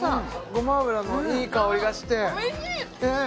ごま油のいい香りがしておいしいっ！